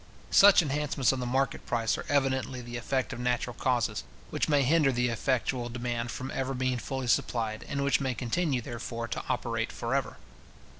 Such enhancements of the market price are evidently the effect of natural causes, which may hinder the effectual demand from ever being fully supplied, and which may continue, therefore, to operate for ever.